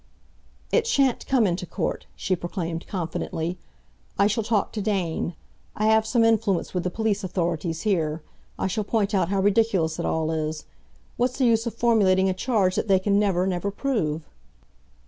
"It shan't come into court," she proclaimed confidently. "I shall talk to Dane. I have some influence with the police authorities here. I shall point out how ridiculous it all is. What's the use of formulating a charge that they can never, never prove?"